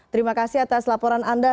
terima kasih atas laporan anda